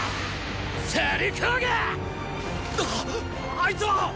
あいつは！